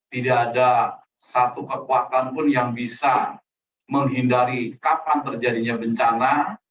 tidak ada satu kekuatan pun yang bisa menghindari kapan terjadinya bencana